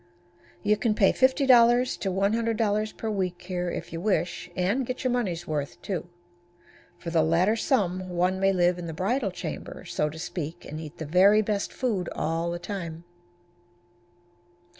You can pay $50 to $100 per week here if you wish, and get your money's worth, too. For the latter sum one may live in the bridal chamber, so to speak, and eat the very best food all the time.